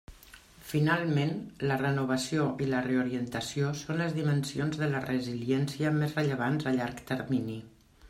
Finalment, la renovació i la reorientació són les dimensions de la resiliència més rellevants a llarg termini.